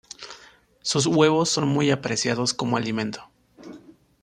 Sus huevos son muy apreciados como alimento.